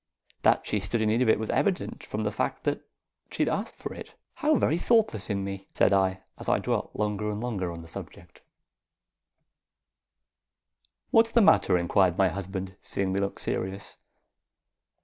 That she stood in need of it was evident from the fact that she had asked for it. "How very thoughtless in me," said I, as I dwelt longer and longer on the subject. "What's the matter?" inquired my husband, seeing me look serious.